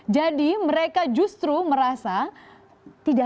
jadi mereka justru merasa tidak